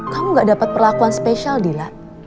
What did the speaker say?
kamu gak dapat perlakuan spesial dila